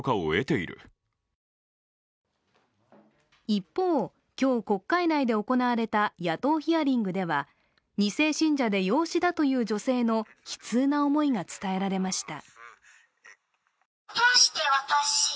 一方、今日、国会内で行われた野党ヒアリングでは２世信者で養子だという女性の悲痛な思いが伝えられました。